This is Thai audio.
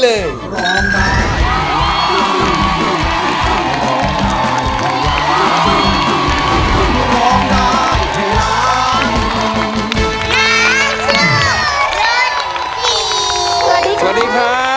แหล่งรองดาวที่หลาน